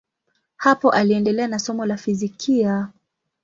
Hapo aliendelea na somo la fizikia.